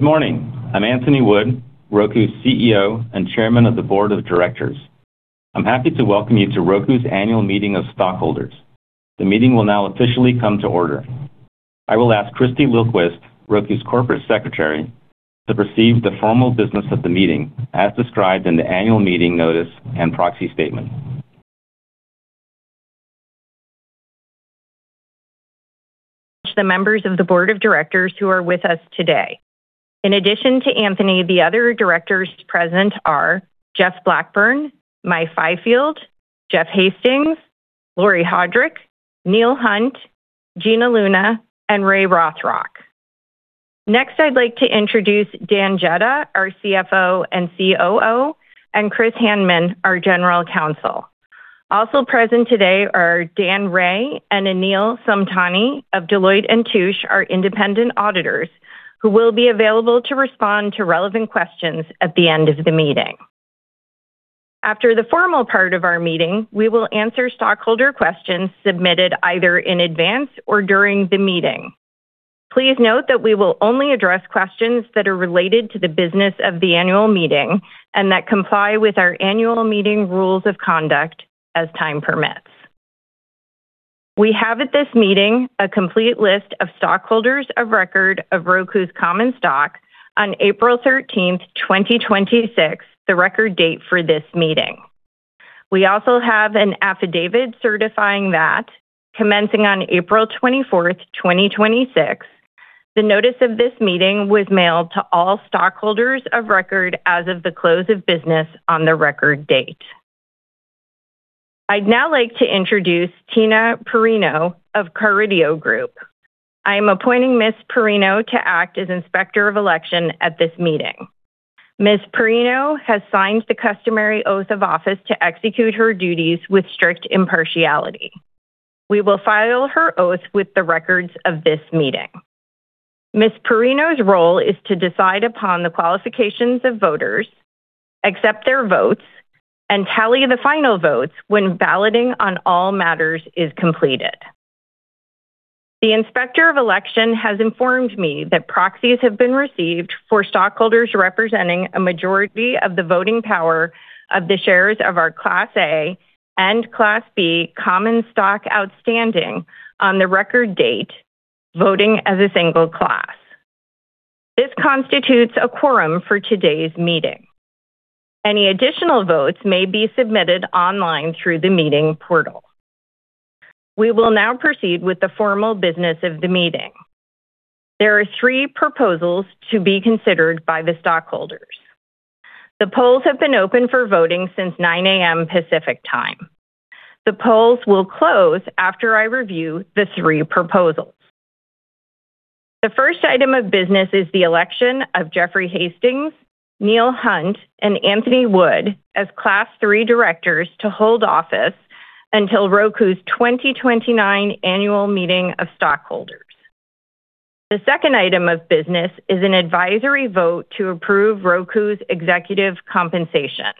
Good morning. I'm Anthony Wood, Roku's CEO and Chairman of the Board of Directors. I'm happy to welcome you to Roku's annual meeting of stockholders. The meeting will now officially come to order. I will ask Christy Lillquist, Roku's Corporate Secretary, to proceed with the formal business of the meeting, as described in the annual meeting notice and proxy statement. The members of the board of directors who are with us today. In addition to Anthony, the other directors present are Jeff Blackburn, Mai Fyfield, Jeffrey Hastings, Laurie Hodrick, Neil Hunt, Gina Luna, and Ray Rothrock. I'd like to introduce Dan Jedda, our CFO and COO, and Chris Handman, our General Counsel. Also present today are Daniel Rowe and Anil Somtani of Deloitte & Touche, our independent auditors, who will be available to respond to relevant questions at the end of the meeting. After the formal part of our meeting, we will answer stockholder questions submitted either in advance or during the meeting. Please note that we will only address questions that are related to the business of the annual meeting and that comply with our annual meeting rules of conduct as time permits. We have at this meeting a complete list of stockholders of record of Roku's common stock on April 13th, 2026, the record date for this meeting. We also have an affidavit certifying that commencing on April 24th, 2026, the notice of this meeting was mailed to all stockholders of record as of the close of business on the record date. I'd now like to introduce Tina Perrino of Carideo Group. I am appointing Ms. Perrino to act as Inspector of Election at this meeting. Ms. Perrino has signed the customary oath of office to execute her duties with strict impartiality. We will file her oath with the records of this meeting. Ms. Perrino's role is to decide upon the qualifications of voters, accept their votes, and tally the final votes when balloting on all matters is completed. The Inspector of Election has informed me that proxies have been received for stockholders representing a majority of the voting power of the shares of our Class A and Class B common stock outstanding on the record date, voting as a single class. This constitutes a quorum for today's meeting. Any additional votes may be submitted online through the meeting portal. We will now proceed with the formal business of the meeting. There are three proposals to be considered by the stockholders. The polls have been open for voting since 9:00 A.M. Pacific Time. The polls will close after I review the three proposals. The first item of business is the election of Jeffrey Hastings, Neil Hunt, and Anthony Wood as Class III directors to hold office until Roku's 2029 annual meeting of stockholders. The second item of business is an advisory vote to approve Roku's executive compensation.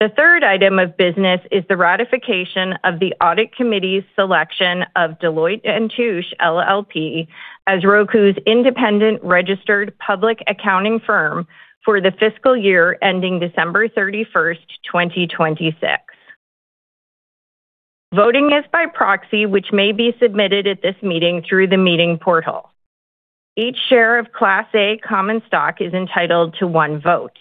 The third item of business is the ratification of the Audit Committee's selection of Deloitte & Touche LLP as Roku's independent registered public accounting firm for the fiscal year ending December 31st, 2026. Voting is by proxy, which may be submitted at this meeting through the meeting portal. Each share of Class A common stock is entitled to one vote.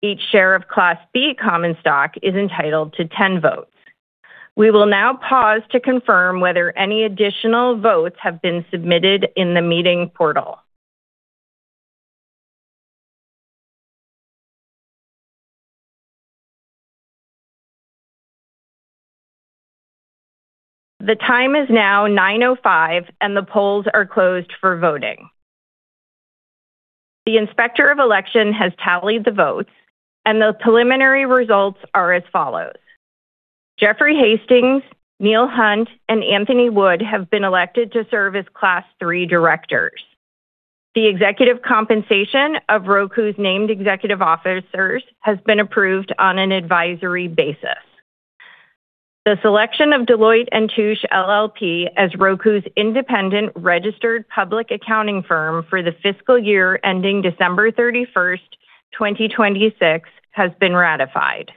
Each share of Class B common stock is entitled to 10 votes. We will now pause to confirm whether any additional votes have been submitted in the meeting portal. The time is now 9:05 A.M., and the polls are closed for voting. The Inspector of Election has tallied the votes, and the preliminary results are as follows. Jeffrey Hastings, Neil Hunt, and Anthony Wood have been elected to serve as Class III directors. The executive compensation of Roku's named executive officers has been approved on an advisory basis. The selection of Deloitte & Touche LLP as Roku's independent registered public accounting firm for the fiscal year ending December 31st, 2026, has been ratified.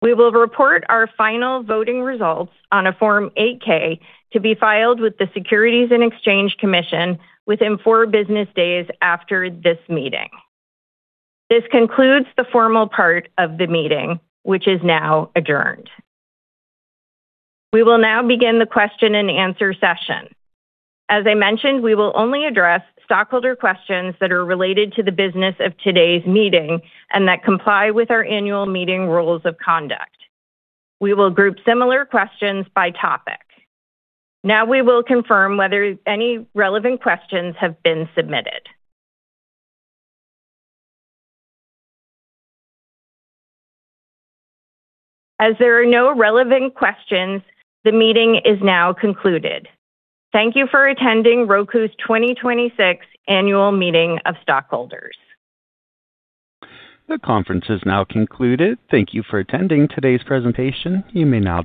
We will report our final voting results on a Form 8-K to be filed with the Securities and Exchange Commission within four business days after this meeting. This concludes the formal part of the meeting, which is now adjourned. We will now begin the question and answer session. As I mentioned, we will only address stockholder questions that are related to the business of today's meeting and that comply with our annual meeting rules of conduct. We will group similar questions by topic. Now, we will confirm whether any relevant questions have been submitted. As there are no relevant questions, the meeting is now concluded. Thank you for attending Roku's 2026 Annual Meeting of Stockholders. The conference is now concluded. Thank you for attending today's presentation. You may now disconnect.